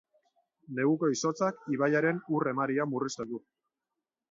Neguko izotzak ibaiaren ur emaria murrizten du.